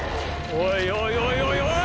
おいおいおいおい！！